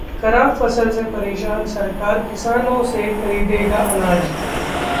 खराब फसल से परेशान सरकार किसानों से खरीदेगी अनाज